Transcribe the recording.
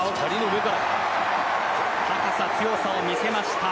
高さ、強さを見せました。